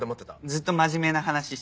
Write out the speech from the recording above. ずっと真面目な話してた。